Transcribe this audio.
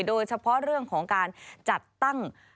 โดยเฉพาะเรื่องของการจัดตั้ง